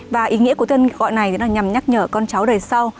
và ý nghĩa của tên gọi này là nhằm nhắc nhở con cháu đời sau